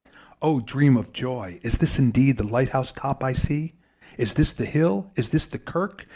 Oh! dream of joy! is this indeed The light house top I see? Is this the hill? is this the kirk?